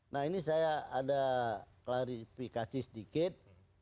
nah ini saya ada klarifikasi sedikit